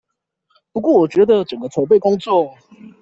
不過我覺得，整個籌備工作